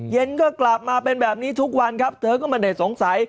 เย็นก็กลับมาเป็นแบบนี้ทุกวันครับเธอก็ไม่ได้สงสัย